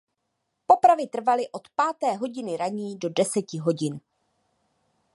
Popravy trvaly od páté hodiny ranní do deseti hodin.